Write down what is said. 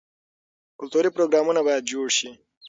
کلتوري پروګرامونه باید جوړ شي.